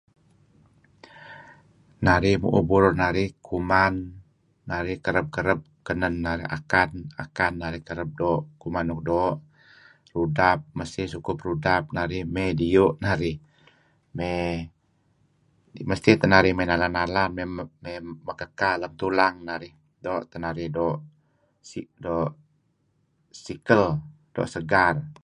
Lun merar nuk pengeh pinili', err... murih tideh, kereb tideh pekaa'-pekaa' lem kema' kendadan dih. Ngilad ... lem laak tudu' ngepulu' ko' enun-enun peh tuseh lun lem bawang, netam lemulun nuk pinili' dedih nu'uh deh tideh, kayu' merey si'it esin ku inih ku enun kah renga' ineh. Kinih, doo' neh. Keteng tideh merey, keteng tideh nu'uh kadi' ideh ni'er ni'er enun nuk perlu bawang sineh. Neh neh berrei eh